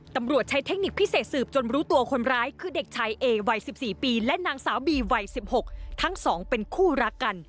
ตำรวจใช้เทคนิคพิเศษสืบจนรู้ตัวคนร้ายคือเด็กชายเอวัย๑๔ปีและนางสาวบีวัย๑๖ทั้งสองเป็นคู่รักกัน